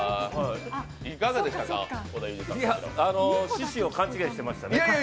趣旨を勘違いしてましたね。